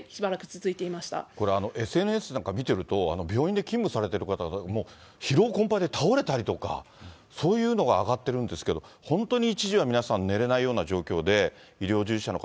これ、ＳＮＳなんか見てると、病院で勤務されている方、もう疲労困憊で倒れたりとか、そういうのがあがってるんですけど、本当に一時は皆さん、寝れないような状況で、医療従事者の方、